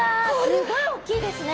すごいおっきいですね！